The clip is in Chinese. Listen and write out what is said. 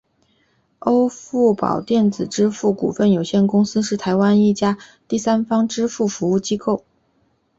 欧付宝电子支付股份有限公司是台湾一家第三方支付服务公司。